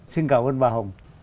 xin cảm ơn bà hồng